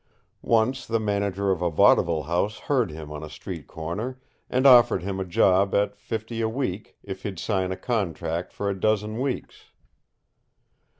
Once the manager of a vaudeville house heard him on a street corner, and offered him a job at fifty a week if he'd sign a contract for a dozen weeks.